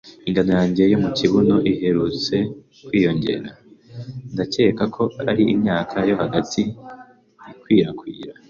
Ingano yanjye yo mu kibuno iherutse kwiyongera. Ndakeka ko ari imyaka yo hagati ikwirakwira.